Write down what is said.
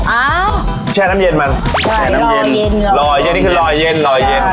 อ่าแช่น้ำเย็นมันแช่น้ำเย็นเย็นลอยเย็นนี่คือลอยเย็นลอยเย็น